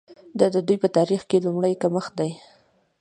دا د دوی په تاریخ کې لومړی کمښت دی.